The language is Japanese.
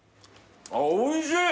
あっおいしい！